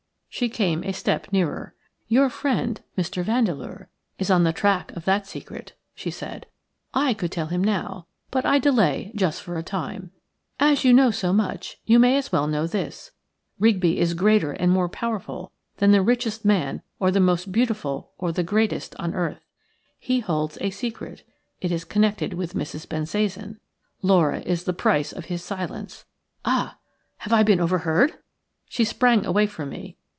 She came a step nearer. "Your friend, Mr. Vandeleur, is on the track of that secret," she said. "I could tell him now, but I delay just for a time. As you know so much you may as well know this. Rigby is greater and more powerful than the richest man or the most beautiful or the greatest on earth. He holds a secret – it is connected with Mrs. Bensasan. Laura is the price of his silence. Ah! have I been overheard?" She sprang away from me.